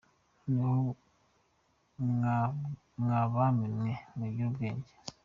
Noneho mwa bami mwe, mugire ubwenge